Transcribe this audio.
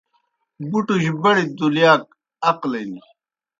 بُٹُج بڑیْ دُلِیاک عقلِن